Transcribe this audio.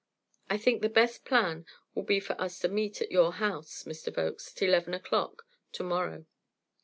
I think the best plan will be for us to meet at your house, Mr. Volkes, at eleven o'clock to morrow.